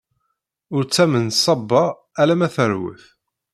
Ur ttamen ṣṣaba alamma terwet.